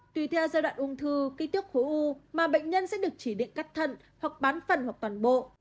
tùy theo giai đoạn ung thư ký tiếp khối u mà bệnh nhân sẽ được chỉ định cắt thận hoặc bán phần hoặc toàn bộ